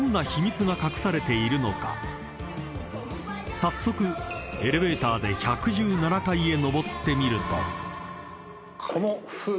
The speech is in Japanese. ［早速エレベーターで１１７階へ昇ってみると］うーわ！